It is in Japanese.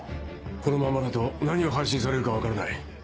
このままだと何を配信されるか分からない。